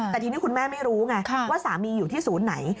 แต่ทีนี้คุณแม่ไม่รู้ไงว่าสามีอยู่ที่ศูนย์ไหน